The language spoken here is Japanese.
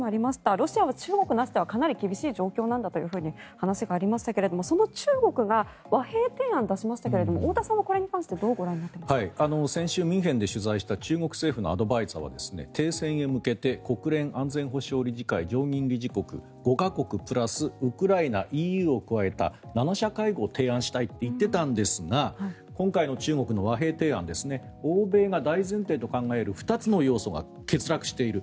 ロシアは中国なしではかなり厳しいという話がありましたが、その中国が和平提案を出しましたが太田さんはこれに関してどうご覧になっていますか。先週ミュンヘンで取材したアドバイザーは停戦へ向けて国連安全保障理事会常任理事国５か国、プラスウクライナ、ＥＵを加えた７者会合を提案したいと言ってたんですが今回の中国の和平提案欧米が大前提と考える２つの要素が欠落している。